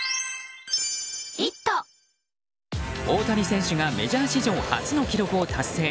大谷選手がメジャー史上初の記録を達成。